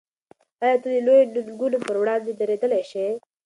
آیا ته د لویو ننګونو پر وړاندې درېدلی شې؟